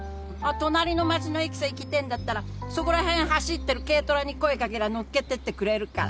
隣の町の駅さ行きてえんだったらそこら辺走ってる軽トラに声掛けりゃ乗っけてってくれるから。